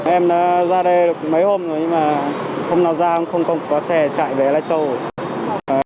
em đã ra đây mấy hôm rồi nhưng mà hôm nào ra không có xe chạy về lai châu rồi